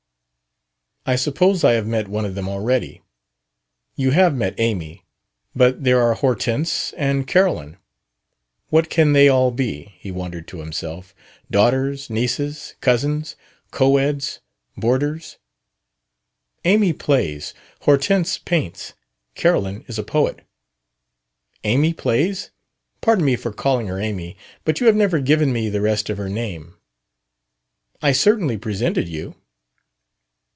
"I suppose I have met one of them already." "You have met Amy. But there are Hortense and Carolyn." "What can they all be?" He wondered to himself: "daughters, nieces, cousins, co eds, boarders...?" "Amy plays. Hortense paints. Carolyn is a poet." "Amy plays? Pardon me for calling her Amy, but you have never given me the rest of her name." "I certainly presented you."